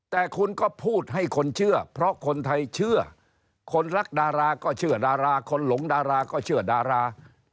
แต่คุณก็พูดให้คนเชื่อเพราะคนไทยเชื่อคนรักดาราก็เชื่อดาราคนหลงดาราก็เชื่อดารา